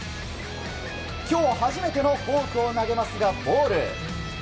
今日初めてのフォークを投げますがボール。